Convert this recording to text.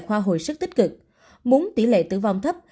tại khoa hội sức tích cực muốn tỷ lệ tử vong thấp